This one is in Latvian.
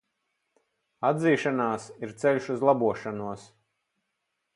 Atzīšanās ir ceļš uz labošanos.